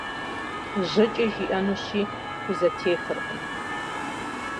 Жьэкӏэ жиӏэнущи, хузэтехыркъым.